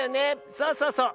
そうそうそう。